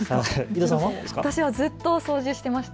私はずっと掃除していました。